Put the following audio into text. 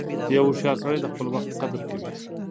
• یو هوښیار سړی د خپل وخت قدر کوي.